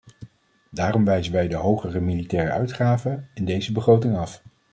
Daarom wijzen wij de hogere militaire uitgaven in deze begroting af.